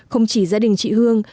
không chỉ gia đình chị hương